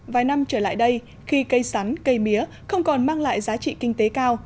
vài năm trở lại đây khi cây sắn cây mía không còn mang lại giá trị kinh tế cao